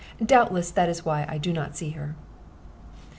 Doubtless that is why I do not see her."